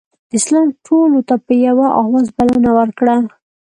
اسلام ټولو ته په یوه اواز بلنه ورکړه.